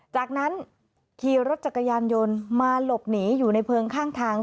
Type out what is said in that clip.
จากนั้นขี่รถจักรยานยนต์มาหลบหนีอยู่ในเพลิงข้างทาง